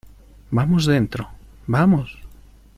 vamos, dentro. ¡ vamos!